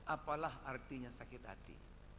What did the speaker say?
apalah artinya sakit hati